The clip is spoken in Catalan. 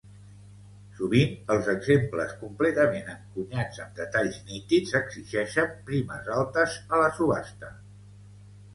Sovint, els exemples completament encunyats amb detalls nítids exigeixen primes altes a la subhasta.